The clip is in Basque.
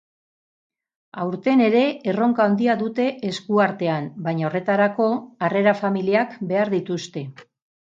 Aurten ere erronka handia dute esku artean, baina horretarako harrera-familiak behar dituzte.